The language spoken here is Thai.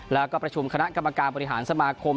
และประชุมคณะกรรมการมสมสมาคม